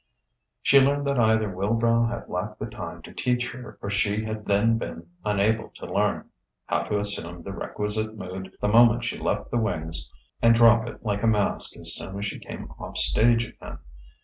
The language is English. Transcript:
She learned what either Wilbrow had lacked the time to teach her or she had then been unable to learn: how to assume the requisite mood the moment she left the wings and drop it like a mask as soon as she came off stage again.